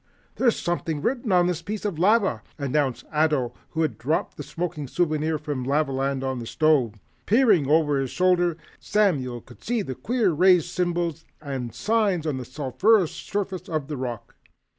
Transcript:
"There's something written on this piece of lava," announced Ato, who had dropped the smoking souvenir from Lavaland on the stove. Peering over his shoulder, Samuel could see queer raised symbols and signs on the sulphurous surface of the rock.